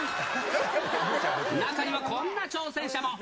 中にはこんな挑戦者も。